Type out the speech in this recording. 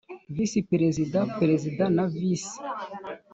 Visi perezida perezida na visi